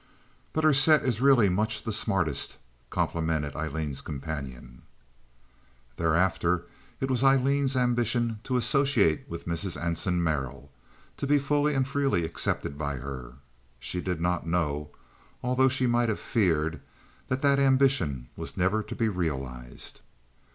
"But her set is really much the smartest," complimented Aileen's companion. Thereafter it was Aileen's ambition to associate with Mrs. Anson Merrill, to be fully and freely accepted by her. She did not know, although she might have feared, that that ambition was never to be realized.